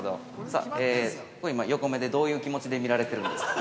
さあ、これ今、横目でどういう気持ちで見られてるんですか。